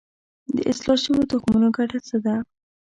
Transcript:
د اصلاح شویو تخمونو ګټه څه ده؟